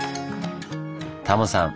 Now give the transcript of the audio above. タモさん